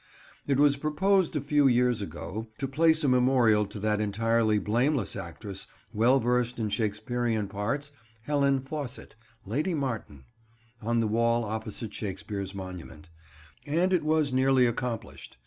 It was proposed, a few years ago, to place a memorial to that entirely blameless actress, well versed in Shakespearean parts, Helen Faucit, Lady Martin, on the wall opposite Shakespeare's monument, and it was nearly accomplished.